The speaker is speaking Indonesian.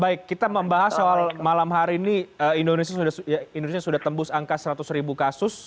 baik kita membahas soal malam hari ini indonesia sudah tembus angka seratus ribu kasus